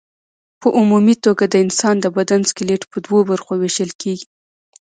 په عمومي توګه د انسان د بدن سکلېټ په دوو برخو ویشل کېږي.